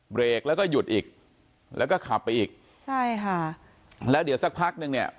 เบรกแล้วก็หยุดอีกแล้วก็ขับไปอีกใช่ค่ะแล้วเดี๋ยวสักพักนึงเนี่ย